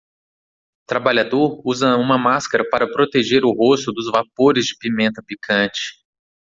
Trabalhador usa uma máscara para proteger o rosto dos vapores de pimenta picante.